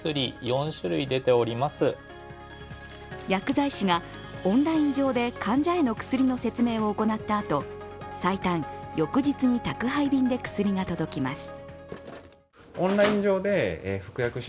薬剤師がオンライン上で患者への薬の説明を行ったあと最短翌日に宅配便で薬が届きます。